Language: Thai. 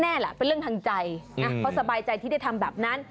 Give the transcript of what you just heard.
แหละเป็นเรื่องทางใจนะเพราะสบายใจที่ได้ทำแบบนั้น